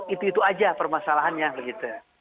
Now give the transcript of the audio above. itu itu aja permasalahannya begitu ya